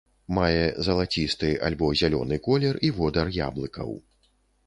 Мае залацісты альбо зялёны колер і водар яблыкаў.